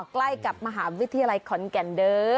ใกล้กับมหาวิทยาลัยขอนแก่นเด้อ